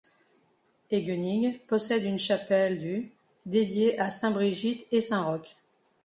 Eguenigue possède une chapelle du dédiée à sainte Brigitte et saint Roch.